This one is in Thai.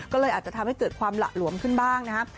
ก็เลยอาจจะทำให้เกิดความหละหลวมขึ้นบ้างนะครับ